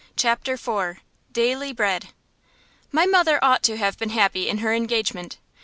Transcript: CHAPTER IV DAILY BREAD My mother ought to have been happy in her engagement.